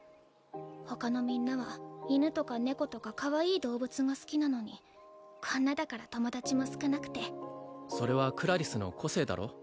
他のみんなは犬とか猫とかかわいい動物が好きなのにこんなだから友達も少なくてそれはクラリスの個性だろう？